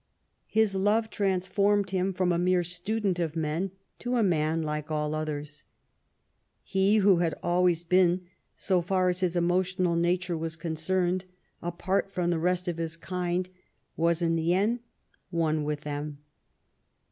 His love transformed him from a mere student of men to a man like all others. He who had always been, so far as his emotional nature was concerned, apart from the rest of his kind, was, in the end, one with them.